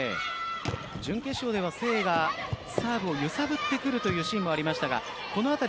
準決勝ではサーブを揺さぶってくるというシーンもありましたがこのあたり